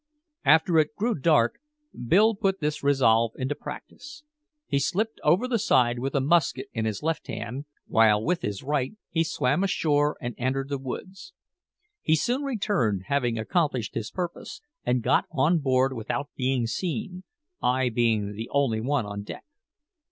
After it grew dark, Bill put this resolve in practice. He slipped over the side with a musket in his left hand, while with his right he swam ashore and entered the woods. He soon returned, having accomplished his purpose, and got on board without being seen, I being the only one on deck.